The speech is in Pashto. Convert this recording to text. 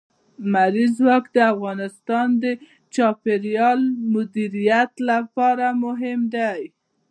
لمریز ځواک د افغانستان د چاپیریال د مدیریت لپاره مهم دي.